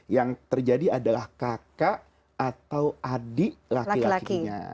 yang terjadi adalah kakak atau adik laki lakinya